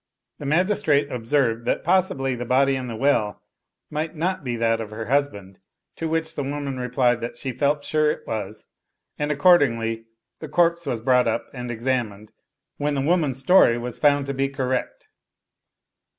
The magis trate observed that possibly the body in the well might not be that of her husband, to which the woman replied that she felt sure it was ; and accordingly the corpse was brought up and examined, when the woman's story was found to be correct.